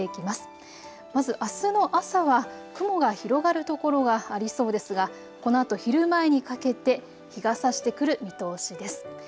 まずあすの朝は雲が広がる所がありそうですが、このあと昼前にかけて日がさしてくる見通しです。